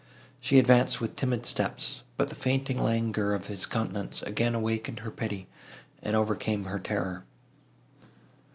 She advanced with timid steps, but the fainting languor of his countenance again awakened her pity, and overcame her terror.